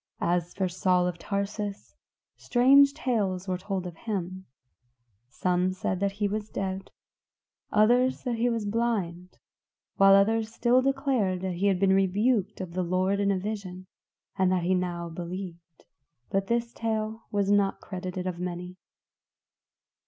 As for Saul of Tarsus, strange tales were told of him; some said that he was dead; others that he was blind; while others still declared that he had been rebuked of the Lord in a vision, and that he now believed. But this tale was not credited of many.